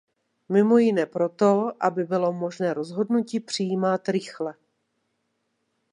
Mimo jiné proto, aby bylo možné rozhodnutí přijímat rychle.